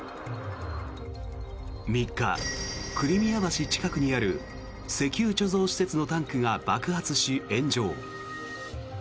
３日、クリミア橋近くにある石油貯蔵施設のタンクが爆発し、炎上。